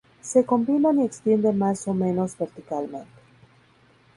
Se combinan y extienden más o menos verticalmente.